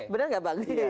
benar gak bang